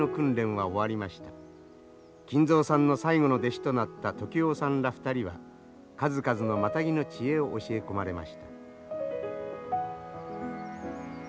金蔵さんの最後の弟子となった時男さんら２人は数々のマタギの知恵を教え込まれました。